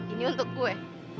ini untuk gue